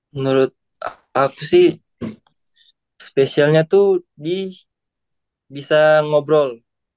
menurut aku sih spesialnya tuh bisa ngobrol